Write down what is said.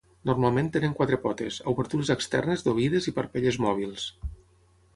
Normalment tenen quatre potes, obertures externes d'oïdes i parpelles mòbils.